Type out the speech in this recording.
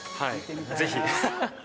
ぜひ。